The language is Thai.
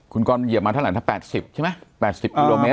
คุณก้อนเหยียบมาทะลังทะ๘๐ใช่ไหม๘๐กิโลเมตร